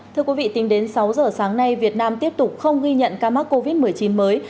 thưa quý vị tính đến sáu giờ sáng nay việt nam tiếp tục không ghi nhận ca mắc covid một mươi chín mới